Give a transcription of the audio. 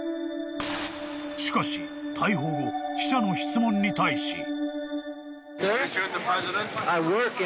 ［しかし逮捕後記者の質問に対し］